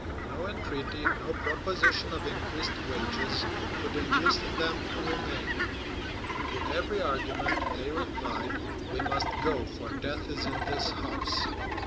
No entreaty, no proposition of increased wages, could induce them to remain; to every argument they replied, "We must go, for death is in this house."